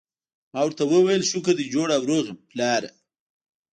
ما ورته وویل: شکر دی جوړ او روغ یم، پلاره.